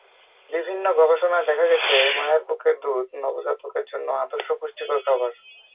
বিভিন্ন গবেষণায় দেখা গেছে, মায়ের বুকের দুধ নবজাতকের জন্য আদর্শ পুষ্টিকর খাবার।